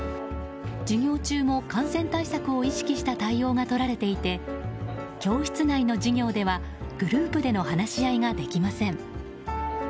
授業中も感染対策を意識した対応がとられていて教室内の授業ではグループでの話し合いができません。